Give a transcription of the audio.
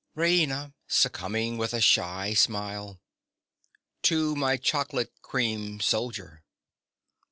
RAINA. (succumbing with a shy smile). To my chocolate cream soldier!